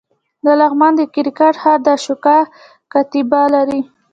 د لغمان د کرکټ ښار د اشوکا کتیبه لري